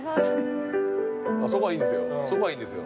そこはいいんですよ